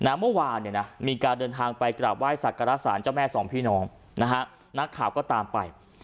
เมื่อวานมีการเดินทางไปกลับไหว้ศักรสรรค์จดสองพี่น้องนักข่าวก็ตามไป